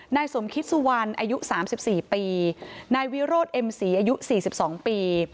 นายสมคิดสุวรรณอายุสามสิบสี่ปีนายวิโรธเอ็มสีอายุสี่สิบสองปี